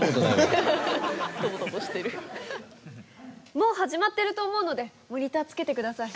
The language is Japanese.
もう始まってると思うのでモニターつけてください。